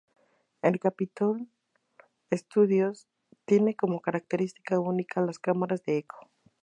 El Capitol Studios tiene como característica única las cámaras de eco.